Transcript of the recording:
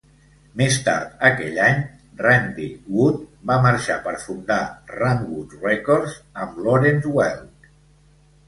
Més tard aquell any, Randy Wood va marxar per fundar "Ranwood Records" amb Lawrence Welk.